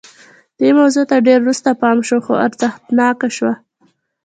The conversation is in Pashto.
دې موضوع ته ډېر وروسته پام شو خو ارزښتناکه شوه